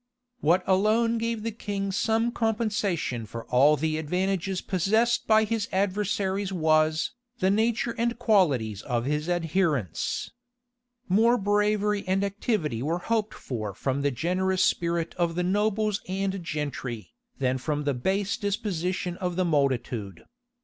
What alone gave the king some compensation for all the advantages possessed by his adversaries was, the nature and qualities of his adherents. More bravery and activity were hoped for from the generous spirit of the nobles and gentry, than from the base disposition of the multitude.